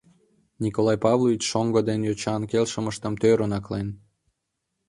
Николай Павлович шоҥго ден йочан келшымыштым тӧрын аклен.